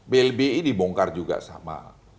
blbi dibongkar juga sama